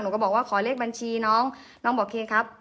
ก็บอกว่าขอเลขบัญชีน้องน้องบอกเคครับ